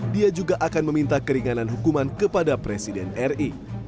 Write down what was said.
dia juga akan meminta keringanan hukuman kepada presiden ri